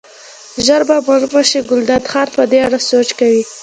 ژر به معلومه شي، ګلداد خان په دې اړه سوچ کوي.